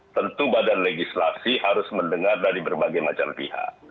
tentu badan legislasi harus mendengar dari berbagai macam pihak